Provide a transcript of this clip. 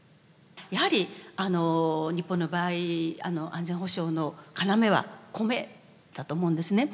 やはり日本の場合安全保障の要はコメだと思うんですね。